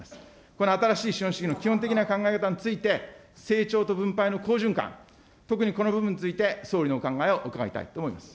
この新しい資本主義のな考え方について、成長と分配の好循環、特にこの部分について総理のお考えを伺いたいと思います。